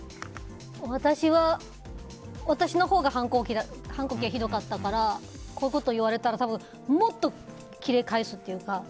私は、私のほうが反抗期がひどかったからこういうことを言われたらもっとキレ返すっていうか。